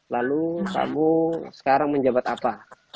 lalu kamu sekarang menjabat apa